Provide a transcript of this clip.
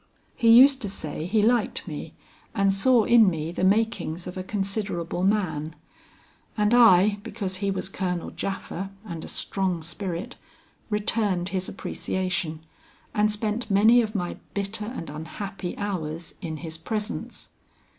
He used to say he liked me and saw in me the makings of a considerable man; and I, because he was Colonel Japha and a strong spirit, returned his appreciation, and spent many of my bitter and unhappy hours in his presence.